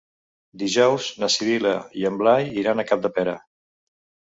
Dijous na Sibil·la i en Blai iran a Capdepera.